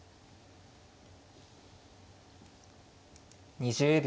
２０秒。